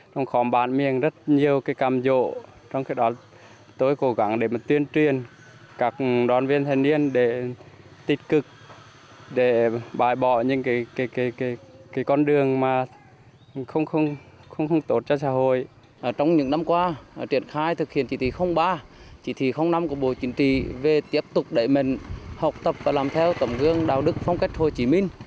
trong những năm qua triển khai thực hiện chỉ thí ba chỉ thí năm của bộ chính trị về tiếp tục đẩy mệnh học tập và làm theo tấm gương đạo đức phong cách hồ chí minh